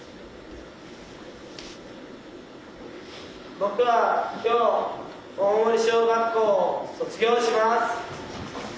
僕は今日大森小学校を卒業します。